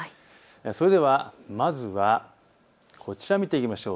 それではまずはこちらを見ていきましょう。